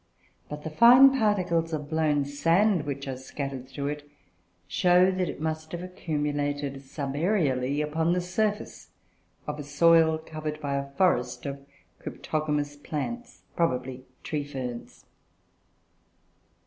But the fine particles of blown sand which are scattered through it, show that it must have accumulated, subaërially, upon the surface of a soil covered by a forest of cryptogamous plants, probably tree ferns.